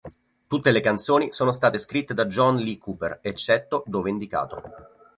Tutte le canzoni sono state scritte da John L. Cooper, eccetto dove indicato